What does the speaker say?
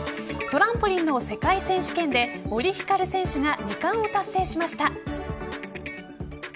トランポリンの世界選手権で森ひかる選手が２冠を達成しました。